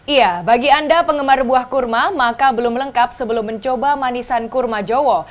iya bagi anda penggemar buah kurma maka belum lengkap sebelum mencoba manisan kurma jowo